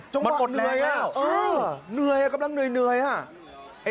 จังหวะเหนื่อยแล้วเออเหนื่อยครับกำลังเหนื่อยฮะ